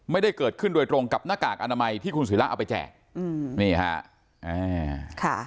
ไม่ได้เกิดขึ้นตรงกับหน้ากากอนามัยที่คุณศรีรัตน์เอาไปแจก